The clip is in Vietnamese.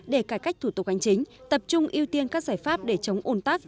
để cải cách thủ tục hành chính tập trung ưu tiên các giải pháp để chống ủn tắc